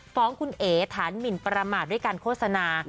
ฟ้องคุณเอ๋ฐานหมินประมาทด้วยการโฆษณา